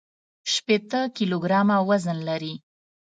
شپېته کيلوګرامه وزن لري.